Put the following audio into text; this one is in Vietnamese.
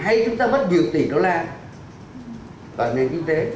hay chúng ta mất nhiều tỷ đô la ở nền kinh tế